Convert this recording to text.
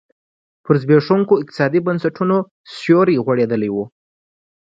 پر زبېښونکو اقتصادي بنسټونو سیوری غوړولی و.